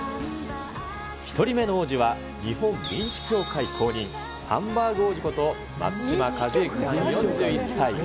１人目の王子は日本ミンチ協会公認、ハンバーグ王子こと松島和之さん４１歳。